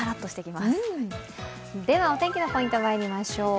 ではお天気のポイントまいりましょう。